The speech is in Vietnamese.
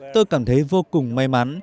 tôi cảm thấy vô cùng may mắn